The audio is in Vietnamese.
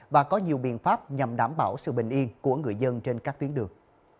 và có nhiều biện pháp nhằm đảm bảo sự bình yên của người dân trên các tuyến đường